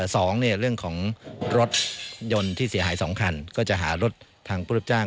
สองเนี่ยเรื่องของรถยนต์ที่เสียหายสองคันก็จะหารถทางผู้รับจ้าง